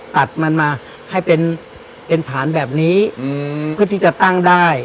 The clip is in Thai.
ตัดมันมาให้เป็นฐานแบบนี้เพื่อที่จะตั้งได้